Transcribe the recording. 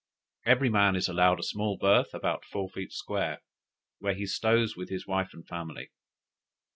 Every man is allowed a small berth, about four feet square, where he stows with his wife and family.